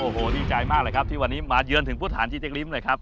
โหดีใจมากเลยครับที่วันนี้มาเยือนถึงพุทธฐานจีตกริมเลยครับ